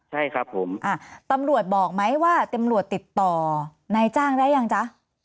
ใช่ครับผมตำรวจบอกไหมว่าตำรวจติดต่อนายจ้างได้ยังจ๊ะ